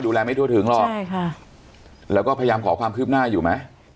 ไม่ทั่วถึงหรอกใช่ค่ะแล้วก็พยายามขอความคืบหน้าอยู่ไหม